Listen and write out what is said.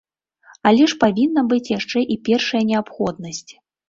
Але ж павінна быць яшчэ і першая неабходнасць.